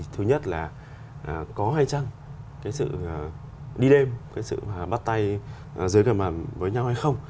thứ nhất là có hay chăng cái sự đi đêm cái sự bắt tay dưới cờ mẩm với nhau hay không